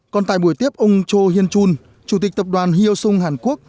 còn tại buổi tiếp ông cho hiên chun chủ tịch tập đoàn hyo sung hàn quốc